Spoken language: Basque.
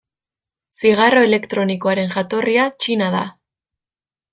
Zigarro elektronikoaren jatorria Txina da.